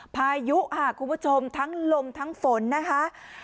พายุค่ะคุณผู้ชมทั้งลมทั้งฝนนะคะ